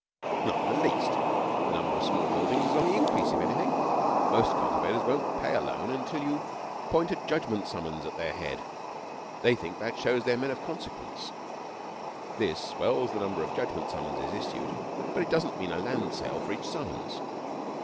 'Not in the least. The number of small holdings is on the increase, if anything. Most cultivators won't pay a loan until you point a judgment summons at their head. They think that shows they're men of consequence. This swells the number of judgment summonses issued, but it doesn't mean a land sale for each summons.